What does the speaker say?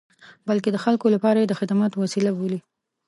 بلکې د خلکو لپاره یې د خدماتو وسیله بولي.